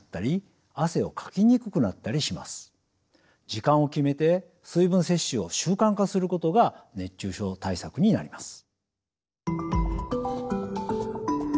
時間を決めて水分摂取を習慣化することが熱中症対策になります。